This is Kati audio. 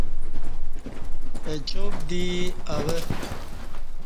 اچاک دی اوہ۔